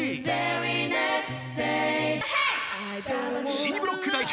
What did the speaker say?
［Ｃブロック代表。